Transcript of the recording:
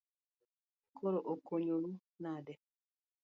Koro ukonyoru nade?